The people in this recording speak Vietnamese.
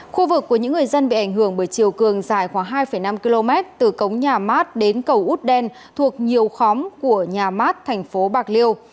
khu vực của những người dân bị ảnh hưởng bởi chiều cường dài khoảng hai năm km từ cống nhà mát đến cầu út đen thuộc nhiều khóm của nhà mát thành phố bạc liêu